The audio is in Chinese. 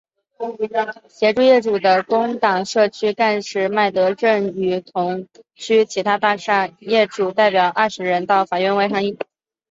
协助业主的工党社区干事麦德正与同区其他大厦业主代表约二十人到法院外抗议。